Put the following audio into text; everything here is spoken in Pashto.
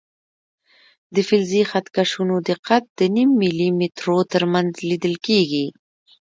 د فلزي خط کشونو دقت د نیم ملي مترو تر منځ لیدل کېږي.